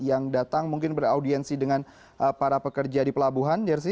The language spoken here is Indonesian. yang datang mungkin beraudiensi dengan para pekerja di pelabuhan jersi